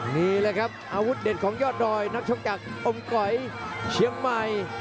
นี่แหละครับอาวุธเด็ดของยอดดอยนักชกจากอมก๋อยเชียงใหม่